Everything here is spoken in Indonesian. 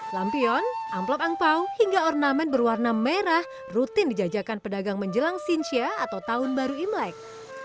lampion amplop angpao hingga ornamen berwarna merah rutin dijajakan pedagang menjelang sinsia atau tahun baru imlek